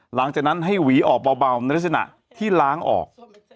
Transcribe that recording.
หลังจากนั้นให้หวีออกเบาในลักษณะที่ล้างออก